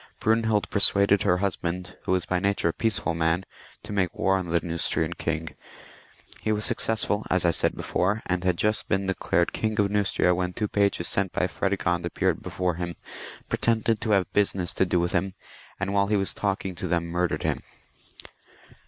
Brunehild persuaded her husband, who was by nature a peacefal man, to make war on the Keustrian king : he was successful, as I said before, and had just been declared King of Neustria when two pages sent by Prede gond appeared before him, pretended to have business to do with him, and whfle he was talking to them murdered him.